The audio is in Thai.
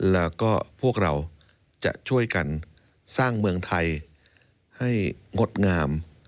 แล้วก็พวกเราจะช่วยกันสร้างเมืองไทยให้งดงาม